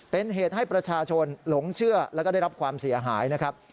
เป็นเหตุให้ประชาชนหลงเชื่อแล้วก็ได้รับความเสียหายนะครับ